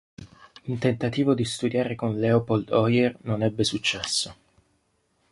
Un tentativo di studiare con Leopold Auer non ebbe successo.